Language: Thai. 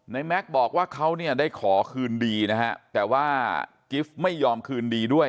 แม็กซ์บอกว่าเขาเนี่ยได้ขอคืนดีนะฮะแต่ว่ากิฟต์ไม่ยอมคืนดีด้วย